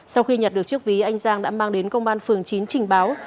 sau khi nhặt được chiếc ví anh giang đã mang đến công an phường chín trình báo